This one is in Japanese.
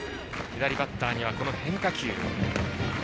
左バッターには変化球。